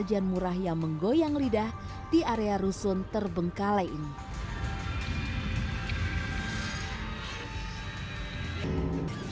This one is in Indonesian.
tidak ada saja murah yang menggoyang lidah di area rusun terbengkalai ini